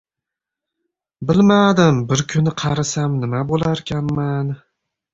Bilmadim, bir kuni qarisam, nima bo‘larkanman?